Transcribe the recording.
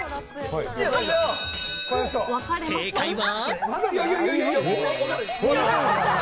正解は。